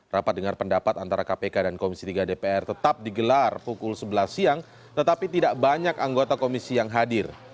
rapat dengar pendapat antara kpk dan komisi tiga dpr tetap digelar pukul sebelas siang tetapi tidak banyak anggota komisi yang hadir